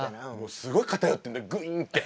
すごい偏ってるのぐいんって。